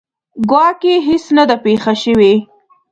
ګواکې هیڅ نه ده پېښه شوې.